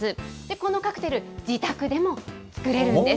このカクテル、自宅でも作れるんです。